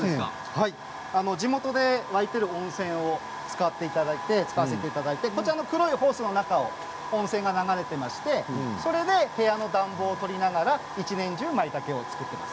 地元で湧いている温泉を使わせていただいてこちらの黒いホースの中を温泉が流れていましてそれで部屋の暖房を取りながら一年中まいたけを作っています。